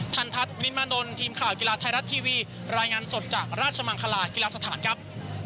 ทันทัศน์วินิตมานนท์ทีมข่าวกีฬาไทยรัฐทีวีรายงานสดจากราชมังคลากีฬาสถานครับ